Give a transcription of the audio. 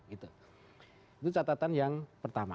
itu catatan yang pertama